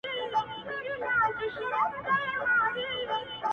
د بشريت له روحه وباسه ته،